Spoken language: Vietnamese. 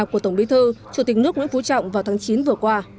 của tổng bí thư chủ tịch nước nguyễn phú trọng vào tháng chín vừa qua